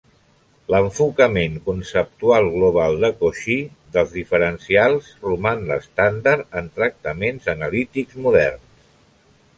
L'enfocament conceptual global de Cauchy dels diferencials roman l'estàndard en tractaments analítics moderns.